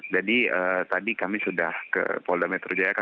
jadi tadi kami sudah ke polda metro jaya